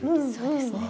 そうですね